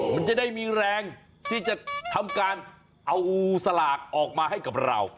มันจะได้มีแรงที่จะทำการเอาสลากออกมาให้กับเรา